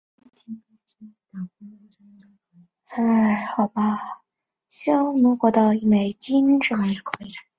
汉倭奴国王印是东汉光武帝颁授给其属国倭奴国的一枚金制王印。